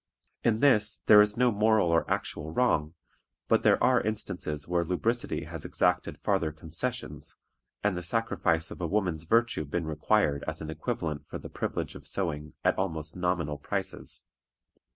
In this there is no moral or actual wrong, but there are instances where lubricity has exacted farther concessions, and the sacrifice of a woman's virtue been required as an equivalent for the privilege of sewing at almost nominal prices.